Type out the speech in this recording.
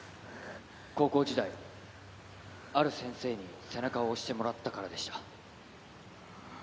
高校時代ある先生に背中を押してもらったからでした